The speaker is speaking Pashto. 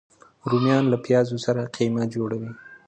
رومیان له پیازو سره قیمه جوړه وي